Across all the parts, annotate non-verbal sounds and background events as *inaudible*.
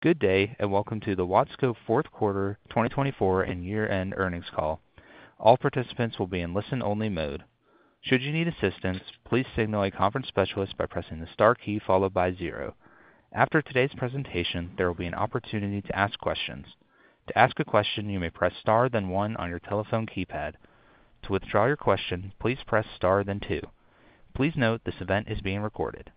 Good day, and welcome to the Watsco Q4 2024 and year-end earnings call. All participants will be in listen-only mode. Should you need assistance, please signal a conference specialist by pressing the star key followed by zero. After today's presentation, there will be an opportunity to ask questions. To ask a question, you may press star then one on your telephone keypad. To withdraw your question, please press star then two. Please note this event is being recorded.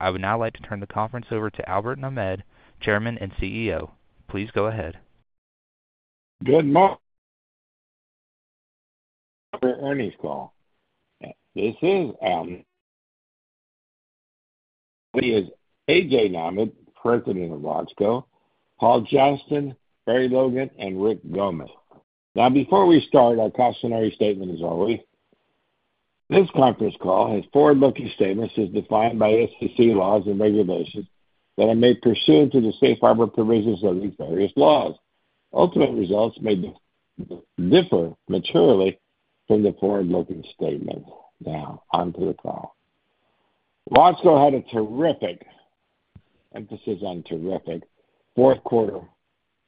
I would now like to turn the conference over to Albert Nahmad, Chairman and CEO. Please go ahead. Good morning. Earnings Call. This is A.J. Nahmad, President of Watsco, Paul Johnston, Barry Logan, and Rick Gomez. Now, before we start, our cautionary statement as always. This conference call has forward-looking statements as defined by SEC laws and regulations that are made pursuant to the safe harbor provisions of these various laws. Ultimate results may differ materially from the forward-looking statement. Now, onto the call. Watsco had a terrific emphasis on terrific fourth quarter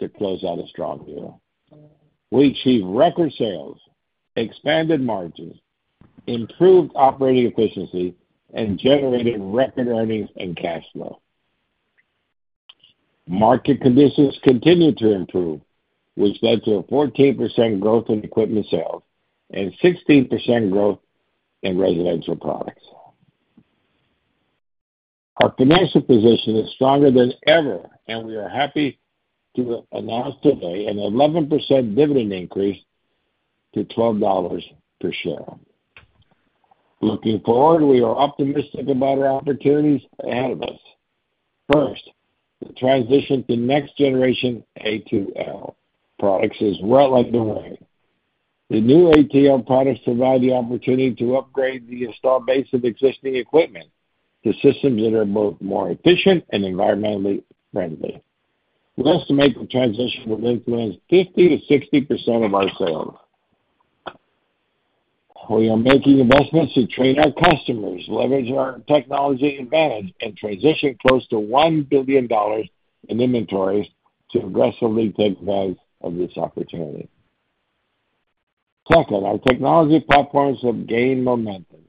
to close out a strong year. We achieved record sales, expanded margins, improved operating efficiency, and generated record earnings and cash flow. Market conditions continued to improve, which led to a 14% growth in equipment sales and 16% growth in residential products. Our financial position is stronger than ever, and we are happy to announce today an 11% dividend increase to $12 per share. Looking forward, we are optimistic about our opportunities ahead of us. First, the transition to next-generation A2L products is well underway. The new A2L products provide the opportunity to upgrade the installed base of existing equipment to systems that are both more efficient and environmentally friendly. We estimate the transition will influence 50%-60% of our sales. We are making investments to train our customers, leverage our technology advantage, and transition close to $1 billion in inventories to aggressively take advantage of this opportunity. Second, our technology platforms have gained momentum.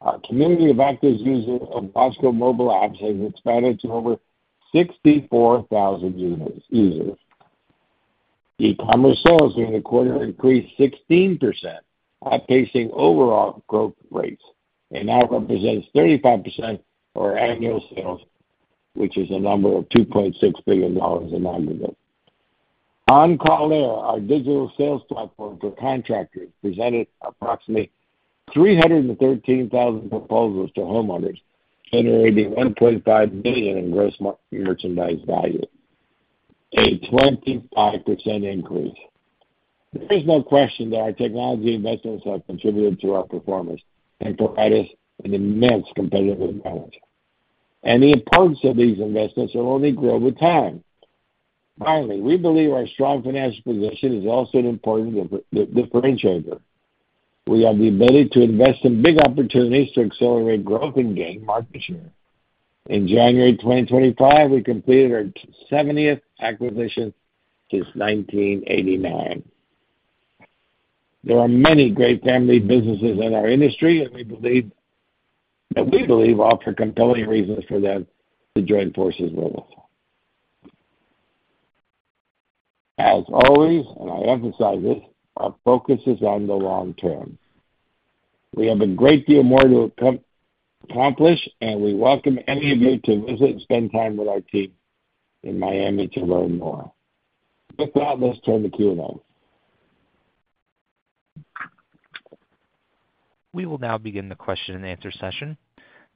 Our community of active users of Watsco mobile apps has expanded to over 64,000 users. E-commerce sales during the quarter increased 16%, outpacing overall growth rates. It now represents 35% of our annual sales, which is a number of $2.6 billion in aggregate. OnCall Air, our digital sales platform for contractors, presented approximately 313,000 proposals to homeowners, generating $1.5 million in gross merchandise value, a 25% increase. There is no question that our technology investments have contributed to our performance and provide us an immense competitive advantage, and the importance of these investments will only grow with time. Finally, we believe our strong financial position is also an important differentiator. We have the ability to invest in big opportunities to accelerate growth and gain market share. In January 2025, we completed our 70th acquisition since 1989. There are many great family businesses in our industry, and we believe that we offer compelling reasons for them to join forces with us. As always, and I emphasize this, our focus is on the long term. We have a great deal more to accomplish, and we welcome any of you to visit and spend time with our team in Miami to learn more. With that, let's turn to Q&A. We will now begin the question and answer session.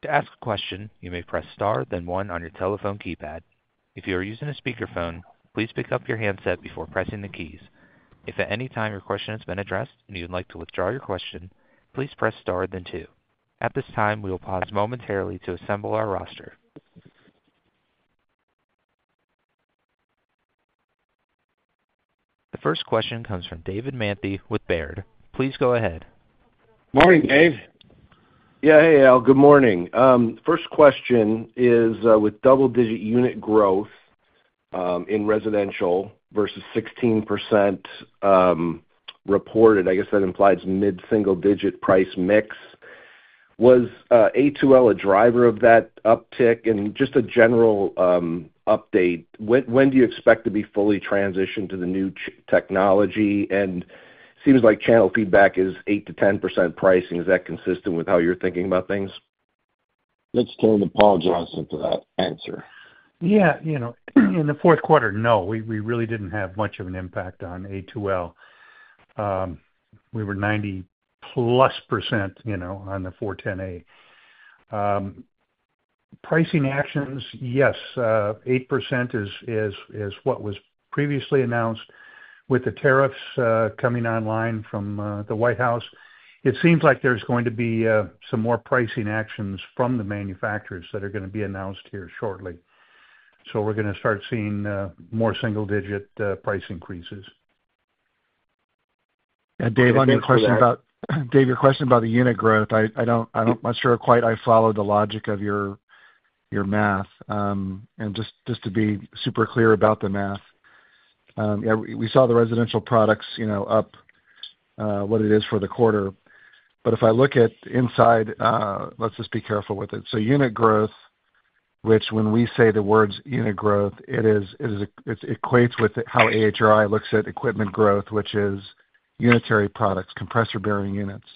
To ask a question, you may press star then one on your telephone keypad. If you are using a speakerphone, please pick up your handset before pressing the keys. If at any time your question has been addressed and you would like to withdraw your question, please press star then two. At this time, we will pause momentarily to assemble our roster. The first question comes from David Manthey with Baird. Please go ahead. Morning, Dave. Yeah, hey, Al. Good morning. First question is with double-digit unit growth in residential versus 16% reported. I guess that implies mid-single-digit price mix. Was A2L a driver of that uptick? And just a general update, when do you expect to be fully transitioned to the new technology? And it seems like channel feedback is 8%-10% pricing. Is that consistent with how you're thinking about things? Let's turn to Paul Johnston for that answer. Yeah. In the fourth quarter, no, we really didn't have much of an impact on A2L. We were 90%+ on the 410A. Pricing actions, yes, 8% is what was previously announced with the tariffs coming online from the White House. It seems like there's going to be some more pricing actions from the manufacturers that are going to be announced here shortly. So we're going to start seeing more single-digit price increases. Yeah, Dave, on your question about the unit growth, I'm not sure quite I followed the logic of your math. And just to be super clear about the math, yeah, we saw the residential products up what it is for the quarter. But if I look at inside, let's just be careful with it. So unit growth, which when we say the words unit growth, it equates with how AHRI looks at equipment growth, which is unitary products, compressor-bearing units.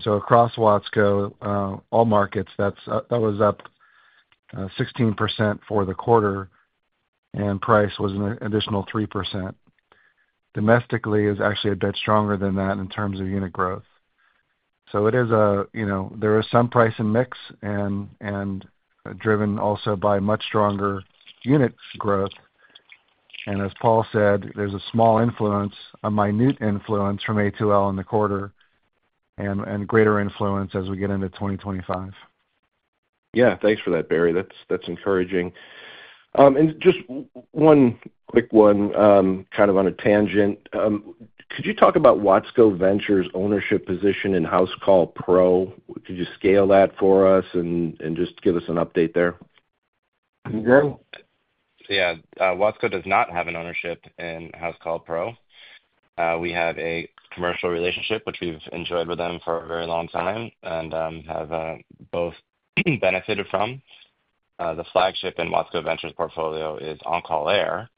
So across Watsco, all markets, that was up 16% for the quarter, and price was an additional 3%. Domestically, it's actually a bit stronger than that in terms of unit growth. So there is some price in mix and driven also by much stronger unit growth. As Paul said, there's a small influence, a minute influence from A2L in the quarter and greater influence as we get into 2025. Yeah, thanks for that, Barry. That's encouraging. And just one quick one kind of on a tangent. Could you talk about Watsco Ventures' ownership position in Housecall Pro? Could you scale that for us and just give us an update there? Yeah. Watsco does not have an ownership in Housecall Pro. We have a commercial relationship, which we've enjoyed with them for a very long time and have both benefited from. The flagship in Watsco Ventures' portfolio is OnCall Air,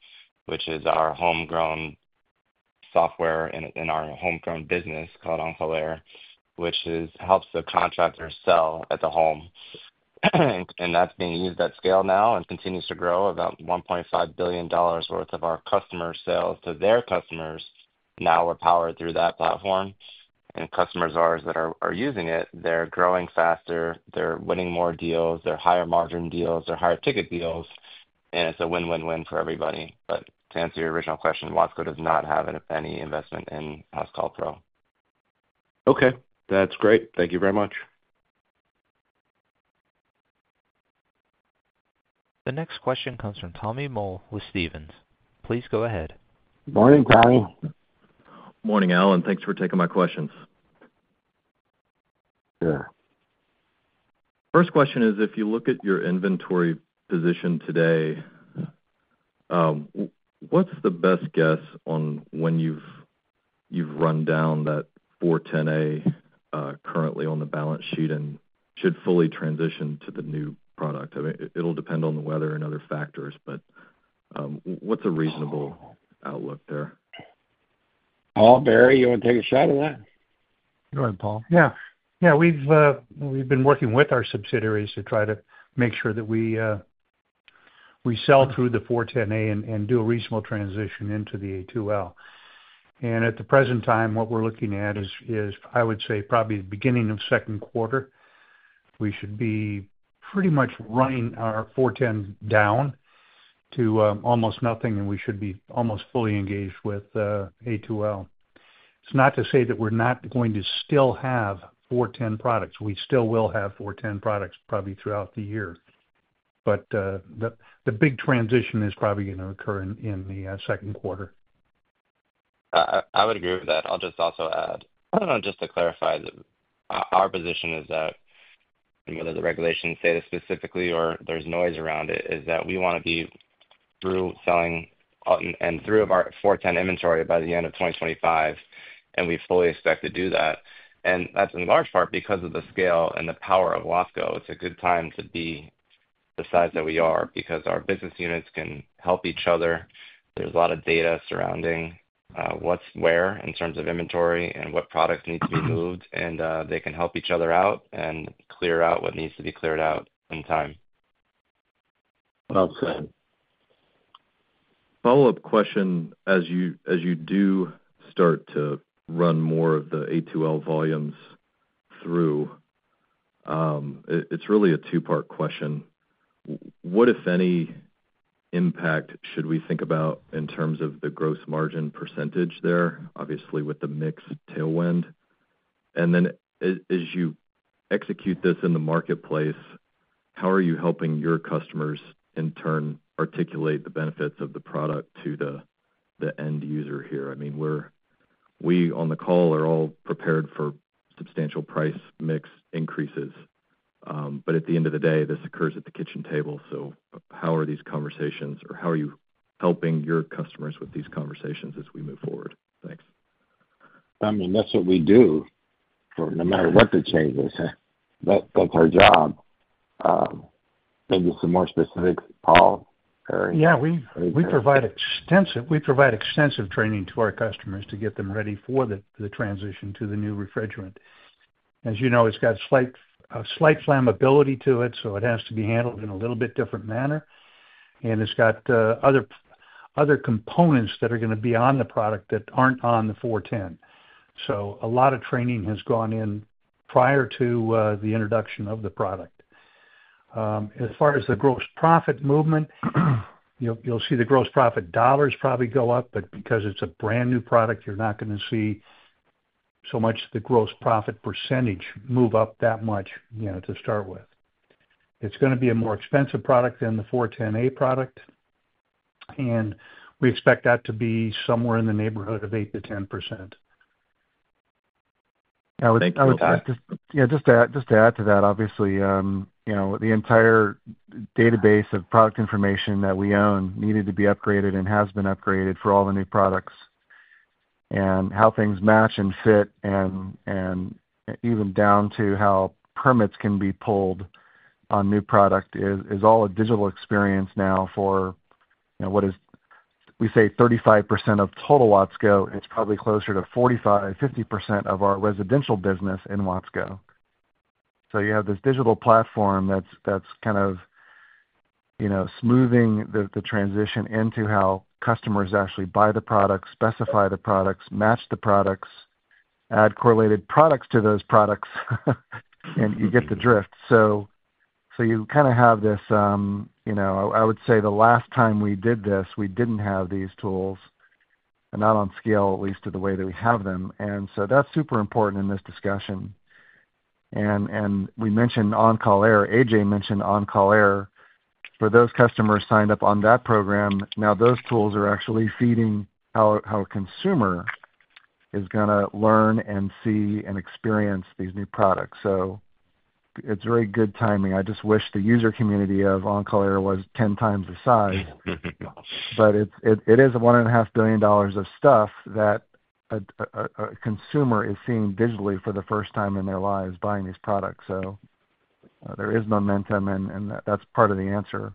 which is our homegrown software in our homegrown business called OnCall Air, which helps the contractor sell at the home. And that's being used at scale now and continues to grow about $1.5 billion worth of our customer sales to their customers now are powered through that platform. And our customers that are using it, they're growing faster. They're winning more deals. They're higher margin deals. They're higher ticket deals. And it's a win-win-win for everybody. But to answer your original question, Watsco does not have any investment in Housecall Pro. Okay. That's great. Thank you very much. The next question comes from Tommy Moll with Stephens. Please go ahead. Morning, Tommy. Morning, Al, and thanks for taking my questions. Sure. First question is, if you look at your inventory position today, what's the best guess on when you've run down that 410A currently on the balance sheet and should fully transition to the new product? I mean, it'll depend on the weather and other factors, but what's a reasonable outlook there? Paul, Barry, you want to take a shot at that? Go ahead, Paul. Yeah. Yeah. We've been working with our subsidiaries to try to make sure that we sell through the 410A and do a reasonable transition into the A2L. And at the present time, what we're looking at is, I would say, probably the beginning of second quarter, we should be pretty much running our 410 down to almost nothing, and we should be almost fully engaged with A2L. It's not to say that we're not going to still have 410 products. We still will have 410 products probably throughout the year. But the big transition is probably going to occur in the second quarter. I would agree with that. I'll just also add, just to clarify, our position is that whether the regulations say this specifically or there's noise around it, is that we want to be through selling and through of our 410 inventory by the end of 2025, and we fully expect to do that, and that's in large part because of the scale and the power of Watsco. It's a good time to be the size that we are because our business units can help each other. There's a lot of data surrounding what's where in terms of inventory and what products need to be moved, and they can help each other out and clear out what needs to be cleared out in time. Well said. Follow-up question, as you do start to run more of the A2L volumes through, it's really a two-part question. What, if any, impact should we think about in terms of the gross margin percentage there, obviously with the mixed tailwind? And then as you execute this in the marketplace, how are you helping your customers in turn articulate the benefits of the product to the end user here? I mean, we on the call are all prepared for substantial price mix increases. But at the end of the day, this occurs at the kitchen table. So how are these conversations or how are you helping your customers with these conversations as we move forward? Thanks. I mean, that's what we do, no matter what the changes. That's our job. Maybe some more specifics, Paul, Barry. Yeah. We provide extensive training to our customers to get them ready for the transition to the new refrigerant. As you know, it's got slight flammability to it, so it has to be handled in a little bit different manner. And it's got other components that are going to be on the product that aren't on the 410. So a lot of training has gone in prior to the introduction of the product. As far as the gross profit movement, you'll see the gross profit dollars probably go up, but because it's a brand new product, you're not going to see so much the gross profit percentage move up that much to start with. It's going to be a more expensive product than the 410A product. And we expect that to be somewhere in the neighborhood of 8%-10%. I would just add to that, obviously, the entire database of product information that we own needed to be upgraded and has been upgraded for all the new products, and how things match and fit and even down to how permits can be pulled on new product is all a digital experience now for what is, we say, 35% of total Watsco. It's probably closer to 45%-50% of our residential business in Watsco, so you have this digital platform that's kind of smoothing the transition into how customers actually buy the products, specify the products, match the products, add correlated products to those products, and you get the drift, so you kind of have this, I would say the last time we did this, we didn't have these tools, not on scale, at least to the way that we have them, and so that's super important in this discussion. And we mentioned OnCall Air. AJ mentioned OnCall Air. For those customers signed up on that program, now those tools are actually feeding how a consumer is going to learn and see and experience these new products. So it's very good timing. I just wish the user community of OnCall Air was 10 times the size. But it is a $1.5 billion of stuff that a consumer is seeing digitally for the first time in their lives buying these products. So there is momentum, and that's part of the answer.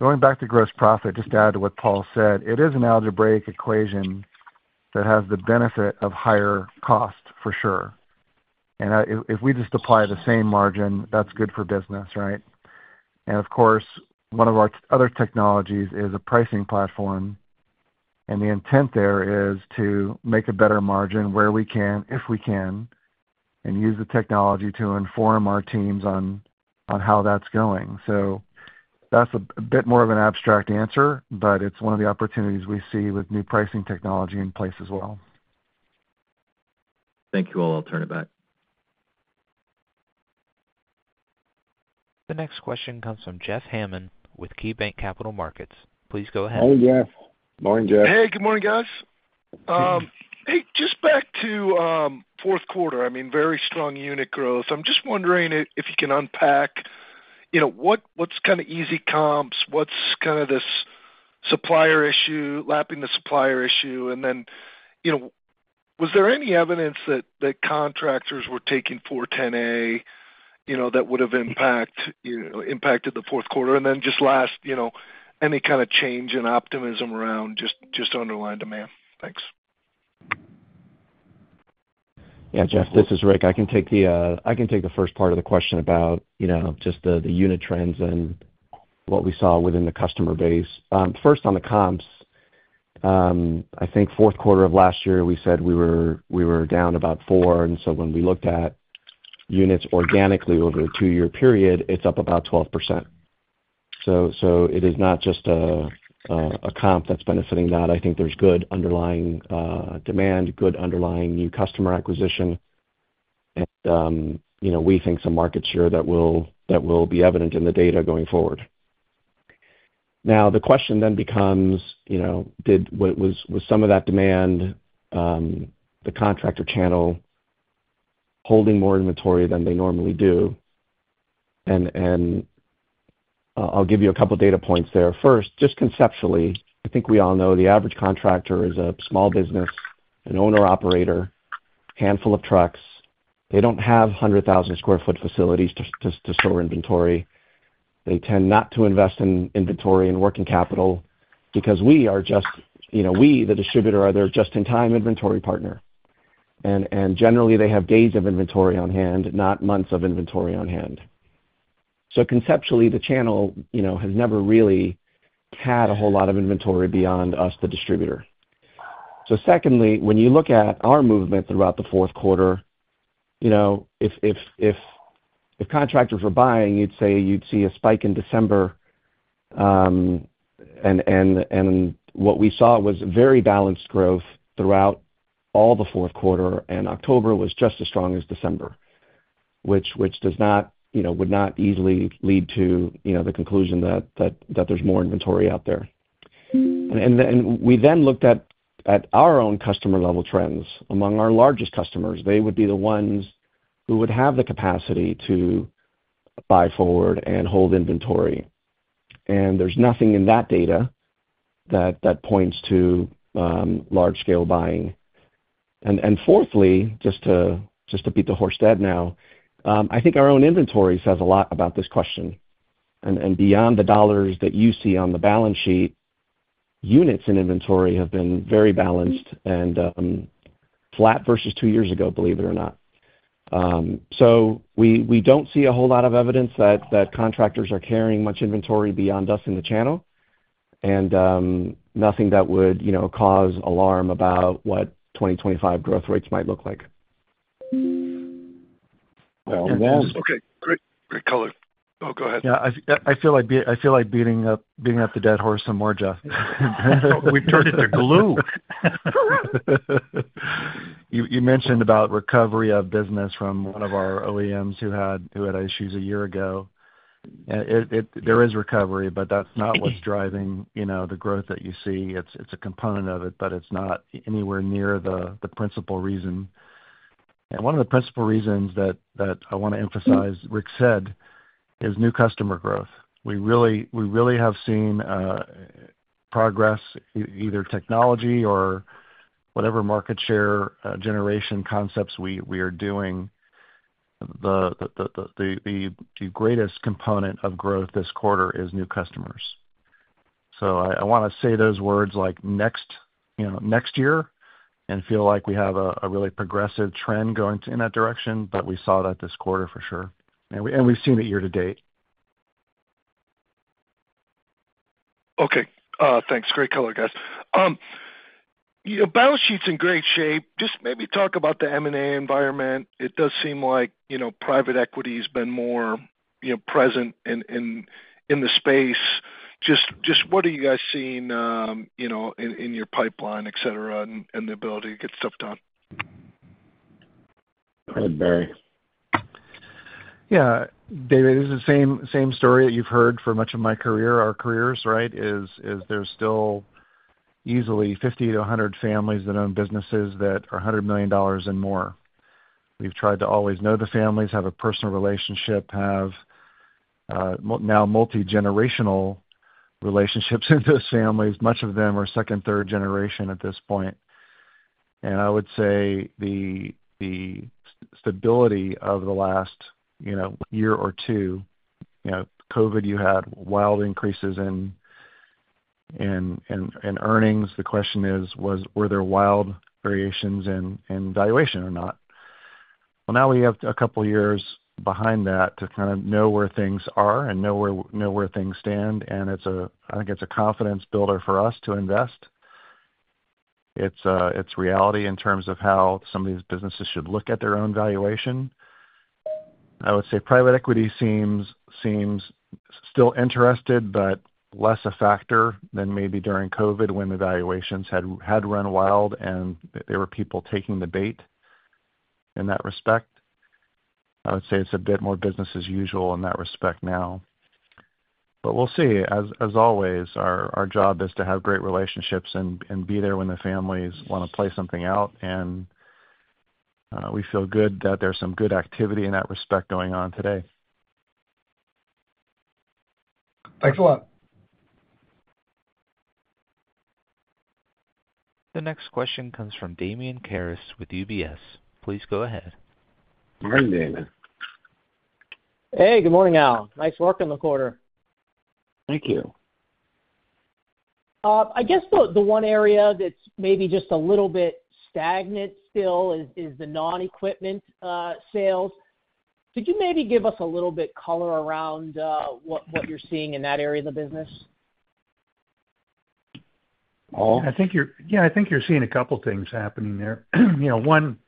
Going back to gross profit, just to add to what Paul said, it is an algebraic equation that has the benefit of higher cost for sure. And if we just apply the same margin, that's good for business, right? And of course, one of our other technologies is a pricing platform. The intent there is to make a better margin where we can, if we can, and use the technology to inform our teams on how that's going. That's a bit more of an abstract answer, but it's one of the opportunities we see with new pricing technology in place as well. Thank you all. I'll turn it back. The next question comes from Jeff Hammond with KeyBanc Capital Markets. Please go ahead. Hey, Jeff. *crosstalk* Morning, Jeff. Hey, good morning, guys. Hey, just back to fourth quarter, I mean, very strong unit growth. I'm just wondering if you can unpack what's kind of easy comps, what's kind of this supplier issue, lapping the supplier issue. And then was there any evidence that contractors were taking 410A that would have impacted the fourth quarter? And then just last, any kind of change in optimism around just underlying demand? Thanks. Yeah, Jeff, this is Rick. I can take the first part of the question about just the unit trends and what we saw within the customer base. First, on the comps, I think fourth quarter of last year, we said we were down about 4%, and so when we looked at units organically over a two-year period, it's up about 12%. So it is not just a comp that's benefiting that. I think there's good underlying demand, good underlying new customer acquisition, and we think some market share that will be evident in the data going forward. Now, the question then becomes, was some of that demand, the contractor channel, holding more inventory than they normally do, and I'll give you a couple of data points there. First, just conceptually, I think we all know the average contractor is a small business, an owner-operator, handful of trucks. They don't have 100,000 sq ft facilities to store inventory. They tend not to invest in inventory and working capital because we, the distributor, are their just-in-time inventory partner, and generally, they have days of inventory on hand, not months of inventory on hand. So conceptually, the channel has never really had a whole lot of inventory beyond us, the distributor, so secondly, when you look at our movement throughout the fourth quarter, if contractors were buying, you'd say you'd see a spike in December, and what we saw was very balanced growth throughout all the fourth quarter, and October was just as strong as December, which would not easily lead to the conclusion that there's more inventory out there, and we then looked at our own customer-level trends. Among our largest customers, they would be the ones who would have the capacity to buy forward and hold inventory. And there's nothing in that data that points to large-scale buying. And fourthly, just to beat the horse dead now, I think our own inventory says a lot about this question. And beyond the dollars that you see on the balance sheet, units in inventory have been very balanced and flat versus two years ago, believe it or not. So we don't see a whole lot of evidence that contractors are carrying much inventory beyond us in the channel and nothing that would cause alarm about what 2025 growth rates might look like. Well, that's. Okay. Great. Great color. Oh, go ahead. Yeah. I feel like beating up the dead horse some more, Jeff. We turned into glue. You mentioned about recovery of business from one of our OEMs who had issues a year ago. There is recovery, but that's not what's driving the growth that you see. It's a component of it, but it's not anywhere near the principal reason, and one of the principal reasons that I want to emphasize, Rick said, is new customer growth. We really have seen progress, either technology or whatever market share generation concepts we are doing. The greatest component of growth this quarter is new customers, so I want to say those words like next year and feel like we have a really progressive trend going in that direction, but we saw that this quarter for sure, and we've seen it year to date. Okay. Thanks. Great color, guys. Balance sheet's in great shape. Just maybe talk about the M&A environment. It does seem like private equity has been more present in the space. Just what are you guys seeing in your pipeline, etc., and the ability to get stuff done? Go ahead, Barry. Yeah. There is the same story that you've heard for much of my career, our careers, right, is there's still easily 50-100 families that own businesses that are $100 million and more. We've tried to always know the families, have a personal relationship, have now multi-generational relationships with those families. Much of them are second, third generation at this point. And I would say the stability of the last year or two, COVID, you had wild increases in earnings. The question is, were there wild variations in valuation or not? Well, now we have a couple of years behind that to kind of know where things are and know where things stand. And I think it's a confidence builder for us to invest. It's reality in terms of how some of these businesses should look at their own valuation. I would say private equity seems still interested, but less a factor than maybe during COVID when the valuations had run wild and there were people taking the bait in that respect. I would say it's a bit more business as usual in that respect now. But we'll see. As always, our job is to have great relationships and be there when the families want to play something out. And we feel good that there's some good activity in that respect going on today. Thanks a lot. The next question comes from Damian Karas with UBS. Please go ahead. Morning, Damian. Hey, good morning, Al. Nice work in the quarter. Thank you. I guess the one area that's maybe just a little bit stagnant still is the non-equipment sales. Could you maybe give us a little bit color around what you're seeing in that area of the business? Paul? Yeah, I think you're seeing a couple of things happening there. One,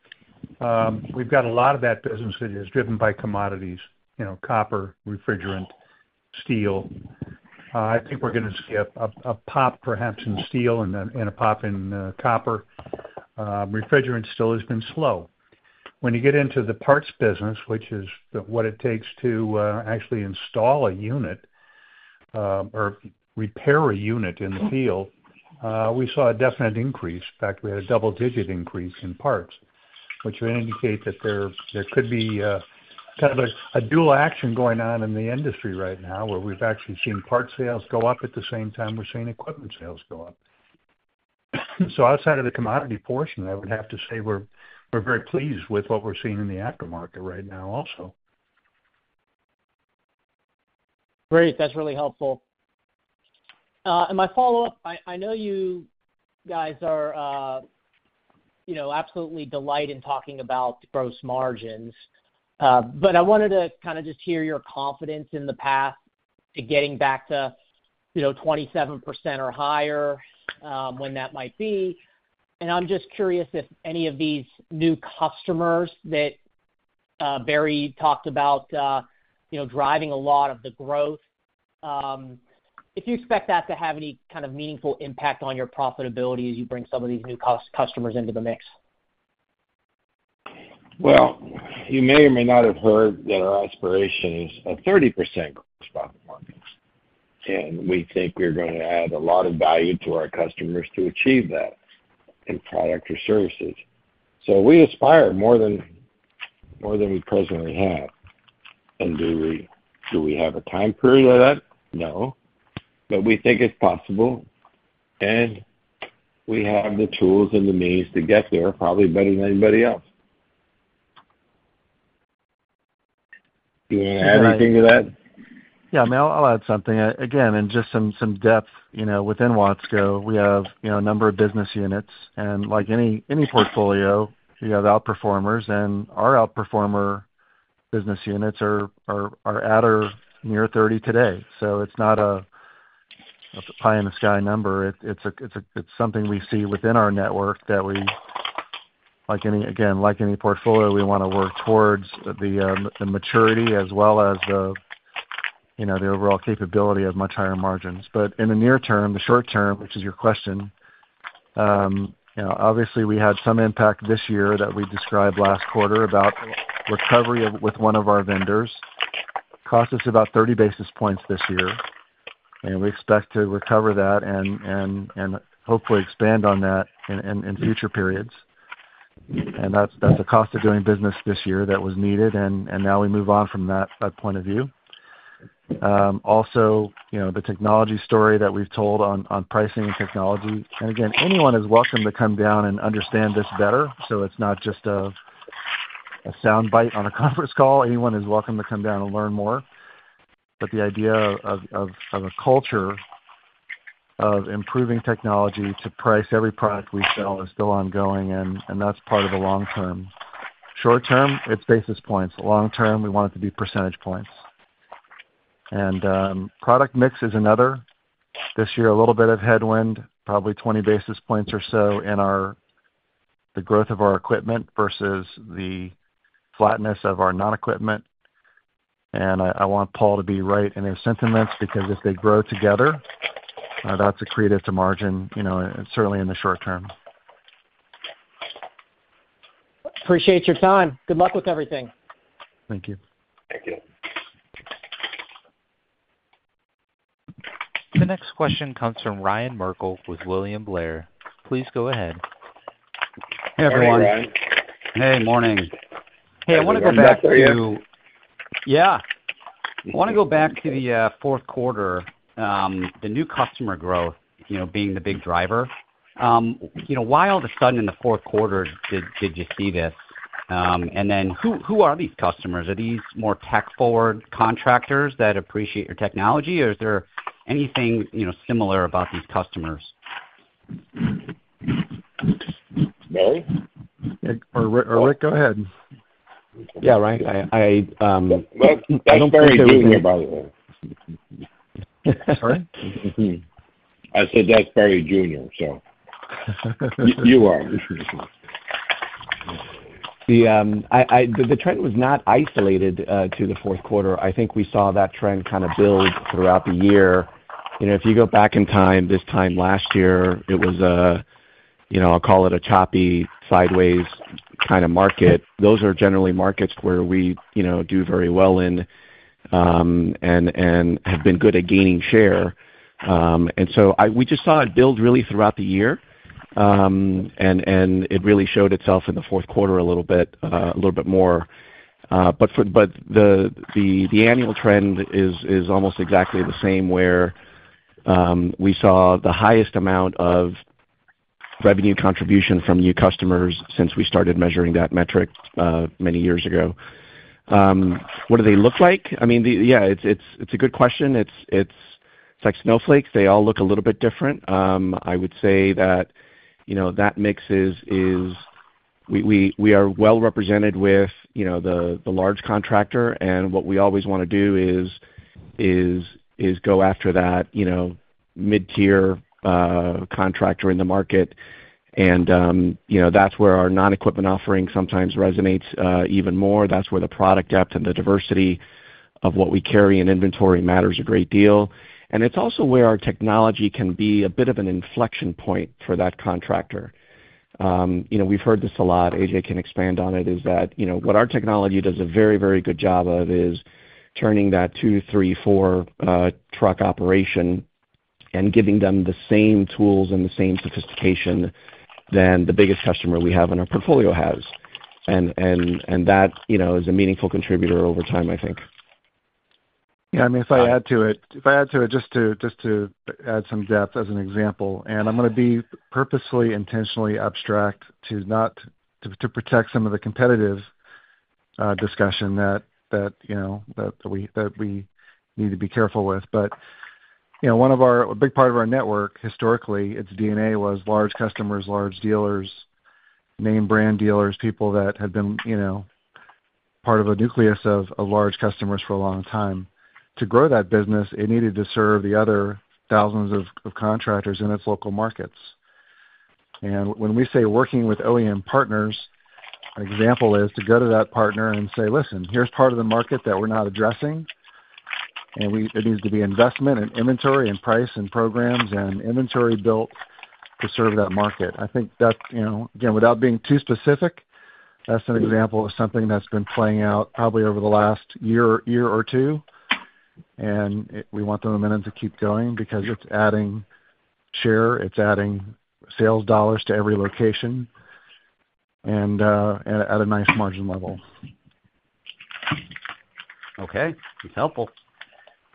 we've got a lot of that business that is driven by commodities: copper, refrigerant, steel. I think we're going to see a pop perhaps in steel and a pop in copper. Refrigerant still has been slow. When you get into the parts business, which is what it takes to actually install a unit or repair a unit in the field, we saw a definite increase. In fact, we had a double-digit increase in parts, which would indicate that there could be kind of a dual action going on in the industry right now where we've actually seen parts sales go up at the same time we're seeing equipment sales go up. So outside of the commodity portion, I would have to say we're very pleased with what we're seeing in the aftermarket right now also. Great. That's really helpful. And my follow-up, I know you guys are absolutely delighted in talking about gross margins, but I wanted to kind of just hear your confidence in the path to getting back to 27% or higher when that might be. And I'm just curious if any of these new customers that Barry talked about driving a lot of the growth, if you expect that to have any kind of meaningful impact on your profitability as you bring some of these new customers into the mix. Well, you may or may not have heard that our aspiration is a 30% gross profit margin. And we think we're going to add a lot of value to our customers to achieve that in product or services. So we aspire more than we presently have. And do we have a time period of that? No. But we think it's possible. And we have the tools and the means to get there probably better than anybody else. Do you want to add anything to that? Yeah, I'll add something. Again, in just some depth, within Watsco, we have a number of business units. And like any portfolio, we have outperformers. And our outperformer business units are at or near 30 today. So it's not a pie-in-the-sky number. It's something we see within our network that we, again, like any portfolio, we want to work towards the maturity as well as the overall capability of much higher margins. But in the near term, the short term, which is your question, obviously, we had some impact this year that we described last quarter about recovery with one of our vendors. Cost is about 30 basis points this year. And we expect to recover that and hopefully expand on that in future periods. And that's a cost of doing business this year that was needed. And now we move on from that point of view. Also, the technology story that we've told on pricing and technology and again, anyone is welcome to come down and understand this better, so it's not just a sound bite on a conference call. Anyone is welcome to come down and learn more, but the idea of a culture of improving technology to price every product we sell is still ongoing and that's part of the long term. Short term, it's basis points. Long term, we want it to be percentage points, and product mix is another. This year, a little bit of headwind, probably 20 basis points or so in the growth of our equipment versus the flatness of our non-equipment, and I want Paul to be right in their sentiments because if they grow together, that's accretive to margin, certainly in the short term. Appreciate your time. Good luck with everything. Thank you. Thank you. The next question comes from Ryan Merkel with William Blair. Please go ahead. Hey, everyone. Hey, morning. Hey, I want to go back to. *crosstalk* Yeah. I want to go back to the fourth quarter, the new customer growth being the big driver. Why all of a sudden in the fourth quarter did you see this? And then who are these customers? Are these more tech-forward contractors that appreciate your technology, or is there anything similar about these customers? Barry? Or Rick, go ahead. *crosstalk* Yeah, Ryan. That's Barry Jr., by the way. Sorry? I said that's Barry Jr., so. You are. The trend was not isolated to the fourth quarter. I think we saw that trend kind of build throughout the year. If you go back in time, this time last year, it was a, I'll call it a choppy, sideways kind of market. Those are generally markets where we do very well in and have been good at gaining share. And so we just saw it build really throughout the year. And it really showed itself in the fourth quarter a little bit more. But the annual trend is almost exactly the same where we saw the highest amount of revenue contribution from new customers since we started measuring that metric many years ago. What do they look like? I mean, yeah, it's a good question. It's like snowflakes. They all look a little bit different. I would say that that mix is we are well represented with the large contractor. And what we always want to do is go after that mid-tier contractor in the market. And that's where our non-equipment offering sometimes resonates even more. That's where the product depth and the diversity of what we carry in inventory matters a great deal. And it's also where our technology can be a bit of an inflection point for that contractor. We've heard this a lot. AJ can expand on it, is that what our technology does a very, very good job of is turning that two, three, four truck operation and giving them the same tools and the same sophistication than the biggest customer we have in our portfolio has. And that is a meaningful contributor over time, I think. Yeah. I mean, if I add to it just to add some depth as an example, and I'm going to be purposefully, intentionally abstract to protect some of the competitive discussion that we need to be careful with, but one of our, a big part of our network, historically, its DNA was large customers, large dealers, name brand dealers, people that had been part of a nucleus of large customers for a long time. To grow that business, it needed to serve the other thousands of contractors in its local markets, and when we say working with OEM partners, an example is to go to that partner and say, "Listen, here's part of the market that we're not addressing," and it needs to be investment and inventory and price and programs and inventory built to serve that market. I think that, again, without being too specific, that's an example of something that's been playing out probably over the last year or two, and we want the momentum to keep going because it's adding share. It's adding sales dollars to every location and at a nice margin level. Okay. That's helpful,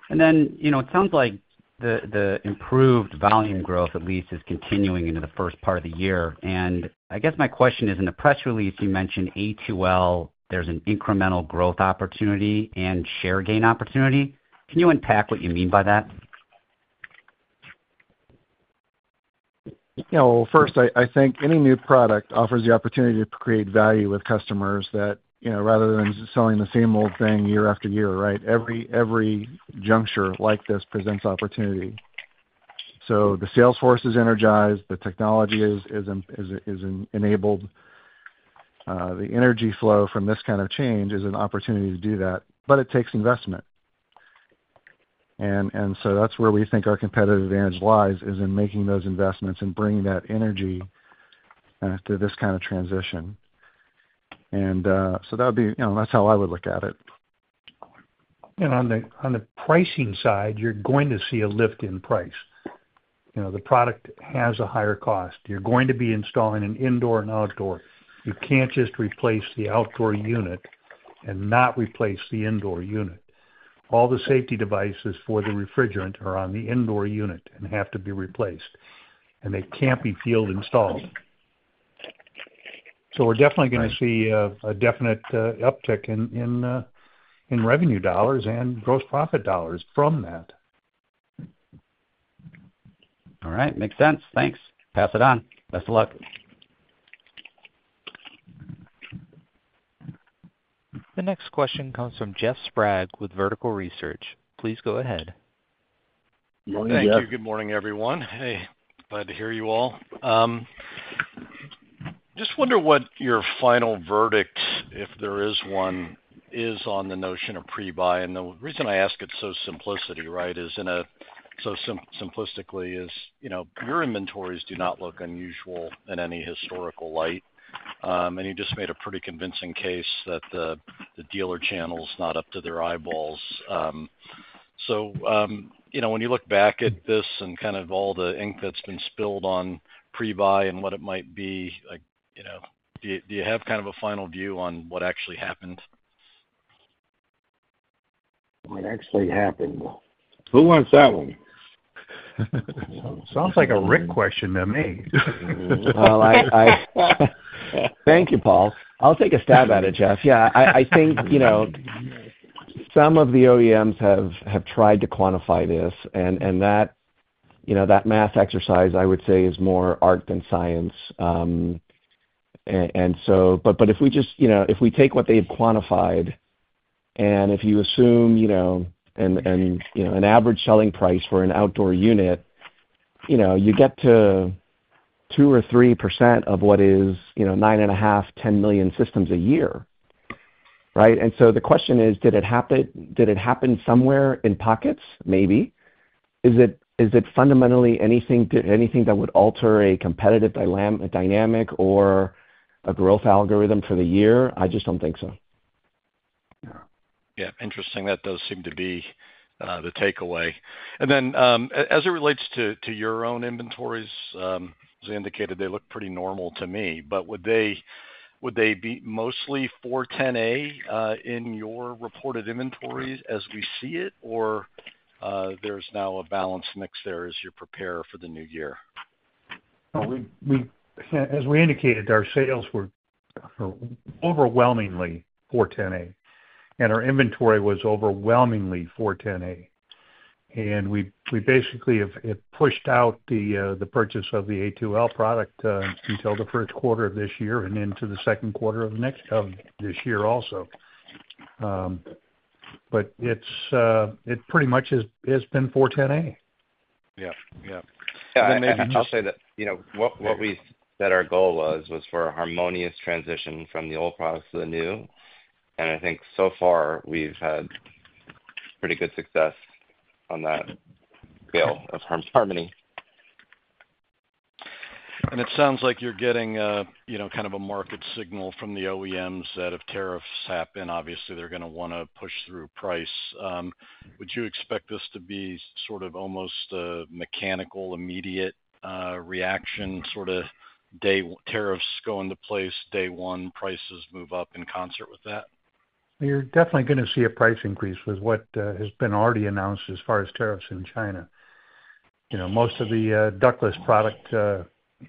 and then it sounds like the improved volume growth, at least, is continuing into the first part of the year, and I guess my question is, in the press release, you mentioned A2L, there's an incremental growth opportunity and share gain opportunity. Can you unpack what you mean by that? First, I think any new product offers the opportunity to create value with customers that rather than selling the same old thing year after year, right? Every juncture like this presents opportunity. The sales force is energized. The technology is enabled. The energy flow from this kind of change is an opportunity to do that. It takes investment. That's where we think our competitive advantage lies in making those investments and bringing that energy to this kind of transition. That's how I would look at it. On the pricing side, you're going to see a lift in price. The product has a higher cost. You're going to be installing an indoor and outdoor. You can't just replace the outdoor unit and not replace the indoor unit. All the safety devices for the refrigerant are on the indoor unit and have to be replaced. They can't be field installed. So we're definitely going to see a definite uptick in revenue dollars and gross profit dollars from that. All right. Makes sense. Thanks. Pass it on. Best of luck. The next question comes from Jeff Sprague with Vertical Research. Please go ahead. Morning, Jeff. Thank you. Good morning, everyone. Hey, glad to hear you all. Just wonder what your final verdict, if there is one, is on the notion of pre-buy, and the reason I ask it's so simplistic, right, is in a so simplistically your inventories do not look unusual in any historical light, and you just made a pretty convincing case that the dealer channel is not up to their eyeballs, so when you look back at this and kind of all the ink that's been spilled on pre-buy and what it might be, do you have kind of a final view on what actually happened? What actually happened? Who wants that one? Sounds like a Rick question to me. Thank you, Paul. I'll take a stab at it, Jeff. Yeah. I think some of the OEMs have tried to quantify this. That math exercise, I would say, is more art than science. But if we just take what they've quantified and if you assume an average selling price for an outdoor unit, you get to 2% or 3% of what is 9.5, 10 million systems a year, right? The question is, did it happen somewhere in pockets? Maybe. Is it fundamentally anything that would alter a competitive dynamic or a growth algorithm for the year? I just don't think so. Yeah. Interesting. That does seem to be the takeaway. And then as it relates to your own inventories, as I indicated, they look pretty normal to me. But would they be mostly 410A in your reported inventories as we see it, or there's now a balanced mix there as you prepare for the new year? As we indicated, our sales were overwhelmingly 410A. And our inventory was overwhelmingly 410A. And we basically have pushed out the purchase of the A2L product until the first quarter of this year and into the second quarter of this year also. But it pretty much has been 410A. Yeah. Yeah. I'll say that what we said our goal was for a harmonious transition from the old products to the new. And I think so far, we've had pretty good success on that scale of harmony. And it sounds like you're getting kind of a market signal from the OEMs that if tariffs happen, obviously, they're going to want to push through price. Would you expect this to be sort of almost a mechanical, immediate reaction, sort of tariffs go into place day one, prices move up in concert with that? You're definitely going to see a price increase with what has been already announced as far as tariffs in China. Most of the ductless product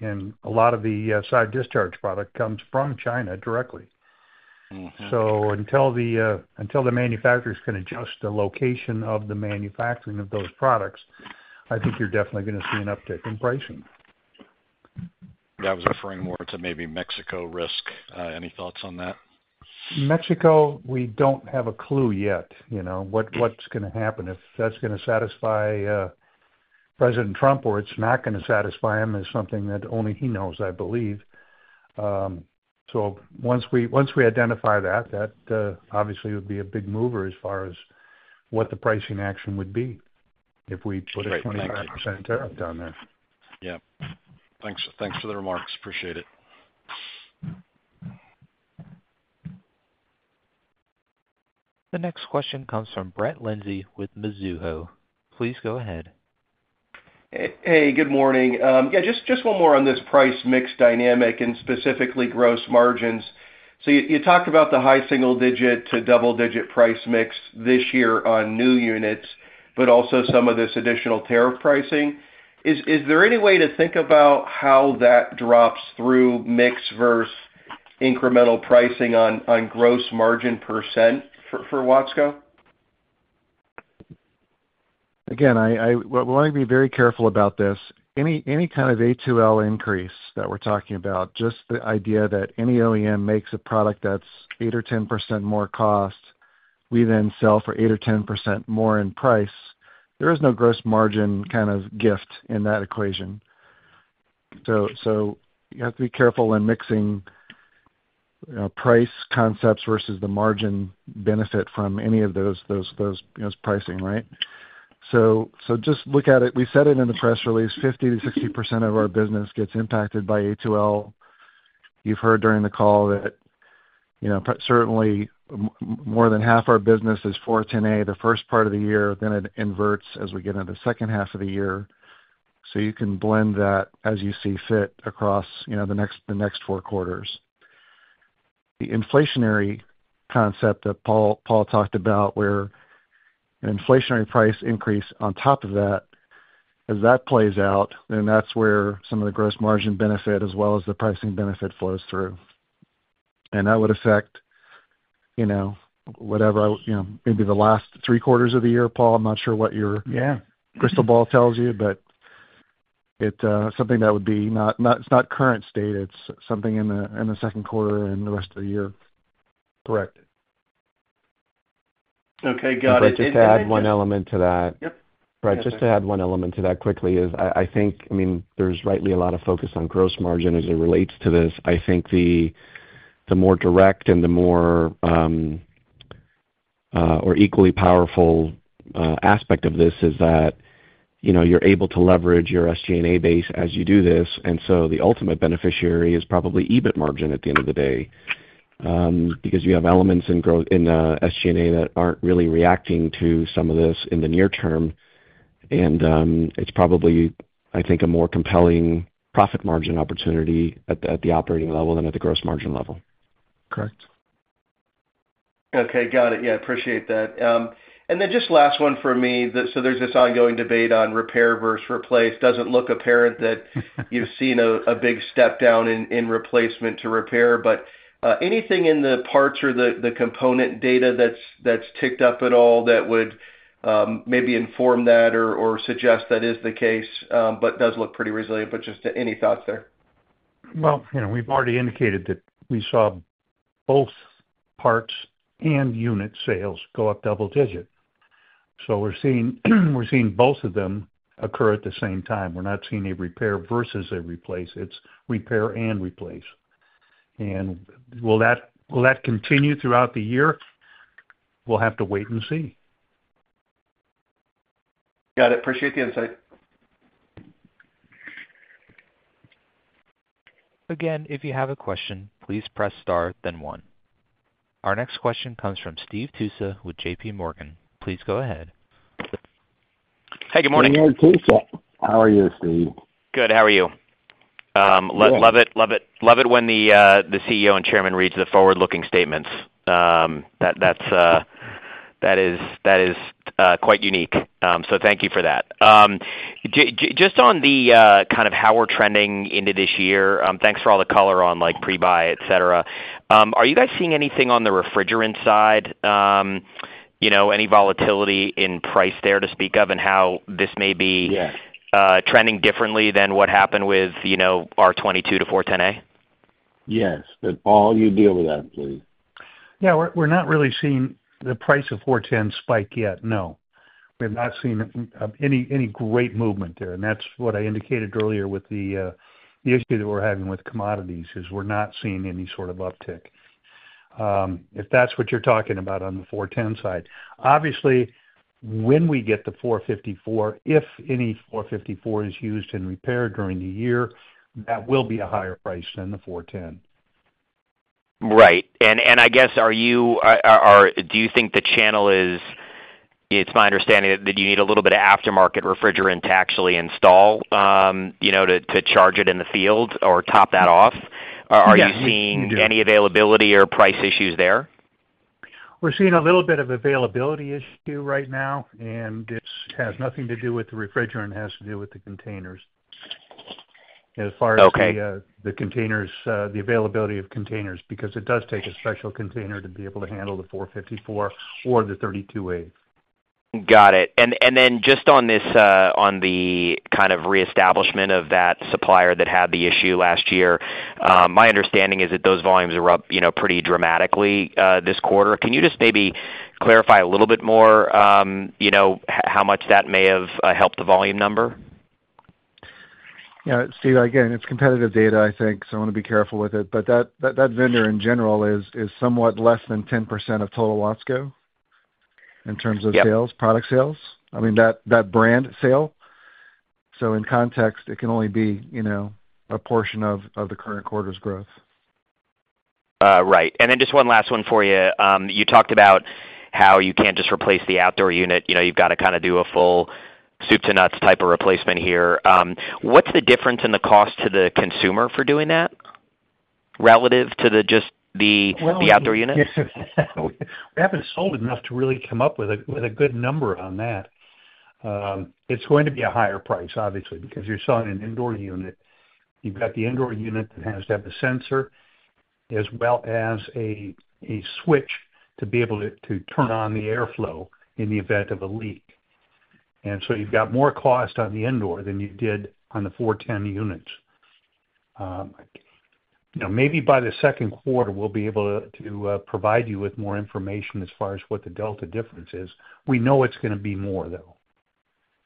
and a lot of the side discharge product comes from China directly. So until the manufacturers can adjust the location of the manufacturing of those products, I think you're definitely going to see an uptick in pricing. That was referring more to maybe Mexico risk. Any thoughts on that? Mexico, we don't have a clue yet what's going to happen. If that's going to satisfy President Trump or it's not going to satisfy him is something that only he knows, I believe. So once we identify that, that obviously would be a big mover as far as what the pricing action would be if we put a 25% tariff down there. Yeah. Thanks for the remarks. Appreciate it. The next question comes from Brett Linzey with Mizuho. Please go ahead. Hey, good morning. Yeah, just one more on this price mix dynamic and specifically gross margins. So you talked about the high single-digit to double-digit price mix this year on new units, but also some of this additional tariff pricing. Is there any way to think about how that drops through mix versus incremental pricing on gross margin % for Watsco? Again, we want to be very careful about this. Any kind of A2L increase that we're talking about, just the idea that any OEM makes a product that's 8% or 10% more cost, we then sell for 8% or 10% more in price, there is no gross margin kind of gift in that equation. So you have to be careful when mixing price concepts versus the margin benefit from any of those pricing, right? So just look at it. We said it in the press release, 50%-60% of our business gets impacted by A2L. You've heard during the call that certainly more than half our business is 410A the first part of the year, then it inverts as we get into the second half of the year. So you can blend that as you see fit across the next four quarters. The inflationary concept that Paul talked about, where an inflationary price increase on top of that, as that plays out, then that's where some of the gross margin benefit as well as the pricing benefit flows through. That would affect whatever, maybe the last three quarters of the year. Paul, I'm not sure what your crystal ball tells you, but it's something that would be not. It's not current state. It's something in the second quarter and the rest of the year. Correct. Okay. Got it. But just to add one element to that. Yep. Right. Just to add one element to that quickly is I think, I mean, there's rightly a lot of focus on gross margin as it relates to this. I think the more direct and the more or equally powerful aspect of this is that you're able to leverage your SG&A base as you do this. And so the ultimate beneficiary is probably EBIT margin at the end of the day because you have elements in SG&A that aren't really reacting to some of this in the near term. And it's probably, I think, a more compelling profit margin opportunity at the operating level than at the gross margin level. Correct. Okay. Got it. Yeah. Appreciate that. And then just last one for me. So there's this ongoing debate on repair versus replace. Doesn't look apparent that you've seen a big step down in replacement to repair. But anything in the parts or the component data that's ticked up at all that would maybe inform that or suggest that is the case, but does look pretty resilient. But just any thoughts there? We've already indicated that we saw both parts and unit sales go up double-digit. We're seeing both of them occur at the same time. We're not seeing a repair versus a replace. It's repair and replace. Will that continue throughout the year? We'll have to wait and see. Got it. Appreciate the insight. Again, if you have a question, please press star, then one. Our next question comes from Steve Tusa with JPMorgan. Please go ahead. Hey, good morning. *crosstalk* Good morning, Tusa. How are you, Steve? Good. How are you? Love it. Love it when the CEO and Chairman read the forward-looking statements. That is quite unique. So thank you for that. Just on the kind of how we're trending into this year, thanks for all the color on pre-buy, etc. Are you guys seeing anything on the refrigerant side? Any volatility in price there to speak of and how this may be trending differently than what happened with R22 to 410A? Yes, but Paul, you deal with that, please. Yeah. We're not really seeing the price of 410 spike yet. No. We have not seen any great movement there. And that's what I indicated earlier with the issue that we're having with commodities is we're not seeing any sort of uptick. If that's what you're talking about on the 410 side. Obviously, when we get the 454, if any 454 is used in repair during the year, that will be a higher price than the 410. Right. And I guess, do you think the channel is, it's my understanding that you need a little bit of aftermarket refrigerant to actually install to charge it in the field or top that off? Are you seeing any availability or price issues there? We're seeing a little bit of availability issue right now, and it has nothing to do with the refrigerant. It has to do with the containers as far as the availability of containers because it does take a special container to be able to handle the 454 or the 32A. Got it. And then just on the kind of reestablishment of that supplier that had the issue last year, my understanding is that those volumes are up pretty dramatically this quarter. Can you just maybe clarify a little bit more how much that may have helped the volume number? Yeah. See, again, it's competitive data, I think. So I want to be careful with it. But that vendor in general is somewhat less than 10% of total Watsco in terms of sales, product sales. I mean, that brand sale. So in context, it can only be a portion of the current quarter's growth. Right. And then just one last one for you. You talked about how you can't just replace the outdoor unit. You've got to kind of do a full soup-to-nuts type of replacement here. What's the difference in the cost to the consumer for doing that relative to just the outdoor unit? We haven't sold enough to really come up with a good number on that. It's going to be a higher price, obviously, because you're selling an indoor unit. You've got the indoor unit that has to have a sensor as well as a switch to be able to turn on the airflow in the event of a leak. And so you've got more cost on the indoor than you did on the 410 units. Maybe by the second quarter, we'll be able to provide you with more information as far as what the delta difference is. We know it's going to be more, though.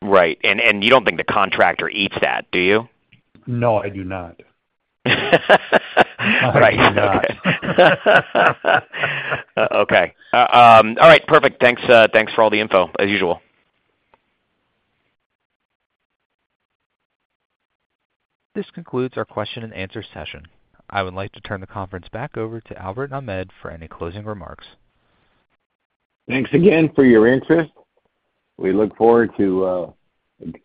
Right. And you don't think the contractor eats that, do you? No, I do not. I do not. Okay. All right. Perfect. Thanks for all the info as usual. This concludes our question-and-answer session. I would like to turn the conference back over to Albert Nahmad for any closing remarks. Thanks again for your interest. We look forward to a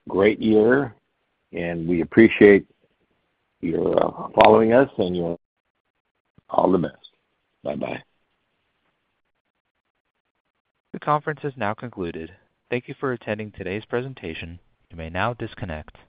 great year, and we appreciate your following us and your. All the best. Bye-bye. The conference is now concluded. Thank you for attending today's presentation. You may now disconnect.